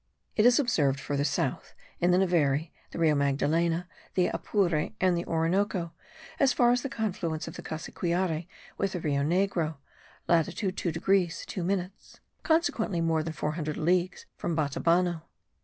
It is observed, further south, in the Neveri, the Rio Magdalena, the Apure and the Orinoco, as far as the confluence of the Cassiquiare with the Rio Negro (latitude 2 degrees 2 minutes), consequently more than four hundred leagues from Batabano.